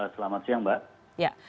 selamat siang mbak